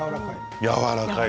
やわらかい？